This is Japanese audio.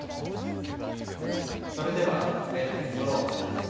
それでは食べる瞑想を終わります。